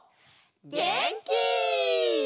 げんき！